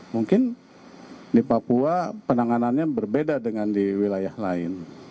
mungkin di papua penanganannya berbeda dengan di wilayah lain